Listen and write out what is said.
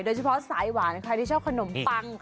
โดยเฉพาะสายหวานใครที่ชอบขนมปัง